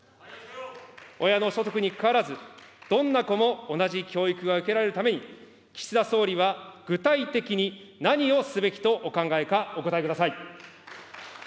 親の所得にかかわらず、どんな子も同じ教育が受けられるために、岸田総理は具体的に何をすべきとお考えか、お答えください。